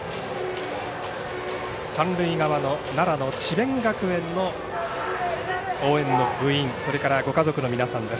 三塁側の奈良の智弁学園の応援の部員、それからご家族の皆さんです。